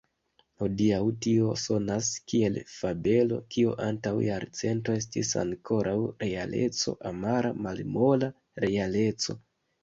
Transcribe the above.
Hodiaŭ tio sonas kiel fabelo, kio antaŭ jarcento estis ankoraŭ realeco, amara malmola realeco.